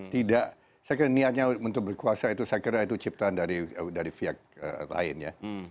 tidak saya kira niatnya untuk berkuasa itu saya kira itu ciptaan dari pihak lain ya